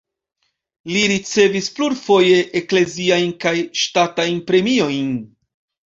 Li ricevis plurfoje ekleziajn kaj ŝtatajn premiojn.